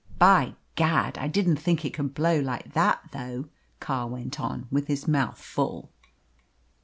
"By gad! I didn't think it could blow like that, though!" Carr went on, with his mouth full.